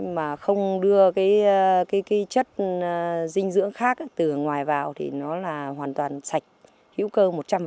mà không đưa cái chất dinh dưỡng khác từ ngoài vào thì nó là hoàn toàn sạch hữu cơ một trăm linh